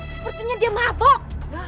sepertinya dia mabok